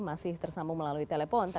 masih tersambung melalui telepon